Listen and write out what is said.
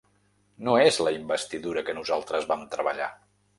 No és la investidura que nosaltres vam treballar.